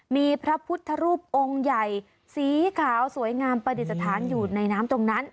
มีพระพุทธรูปองค์ใหญ่สีขาวสวยงามประดิษฐานอยู่ในน้ำตรงนั้น